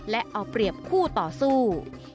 และเอาเปรียบคู่ต่อสู้